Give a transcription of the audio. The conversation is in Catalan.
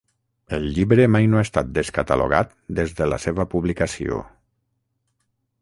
El llibre mai no ha estat descatalogat des de la seva publicació.